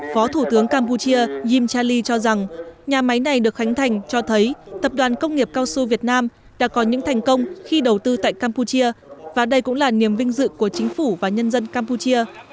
phó thủ tướng campuchia him cha ly cho rằng nhà máy này được khánh thành cho thấy tập đoàn công nghiệp cao su việt nam đã có những thành công khi đầu tư tại campuchia và đây cũng là niềm vinh dự của chính phủ và nhân dân campuchia